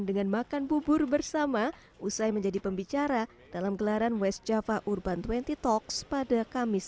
dengan makan bubur bersama usai menjadi pembicara dalam gelaran west java urban dua puluh talks pada kamis